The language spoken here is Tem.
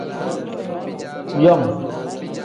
Yom.